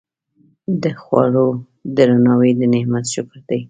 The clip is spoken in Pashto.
د خوړو درناوی د نعمت شکر دی.